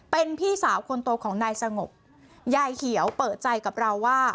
เป็นพี่สาวคนโตของนายสงบยายเขียวเปิดใจกับเราว่า